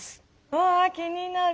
わあ気になる。